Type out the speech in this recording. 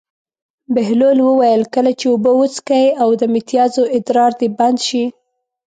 بهلول وویل: کله چې اوبه وڅښې او د متیازو ادرار دې بند شي.